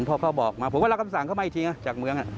พอเขาบอกมาผมก็รับคำสั่งเข้ามาอีกทีนะจากเมือง